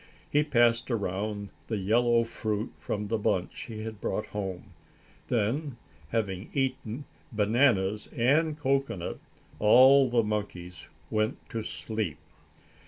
He passed around the yellow fruit from the bunch he had brought home. Then, having eaten bananas and cocoanut, all the monkeys went to sleep.